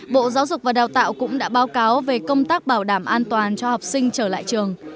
bộ giáo dục và đào tạo cũng đã báo cáo về công tác bảo đảm an toàn cho học sinh trở lại trường